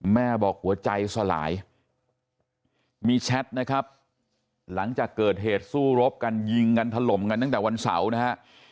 แม่บอกหัวใจสลายมีแชทนะครับหลังจากเกิดเหตุสู้รบกันยิงกันถล่มกันตั้งแต่วันเสาร์นะฮะ